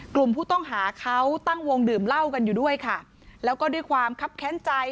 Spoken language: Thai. กลุ่มผู้ต้องหาเขาตั้งวงดื่มเหล้ากันอยู่ด้วยค่ะแล้วก็ด้วยความคับแค้นใจ